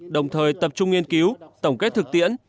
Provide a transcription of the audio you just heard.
đồng thời tập trung nghiên cứu tổng kết thực tiễn